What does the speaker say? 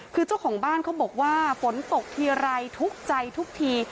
คือเจ้าของบ้านเขาบอกว่าฝนตกทีไรทุกข์ใจทุกที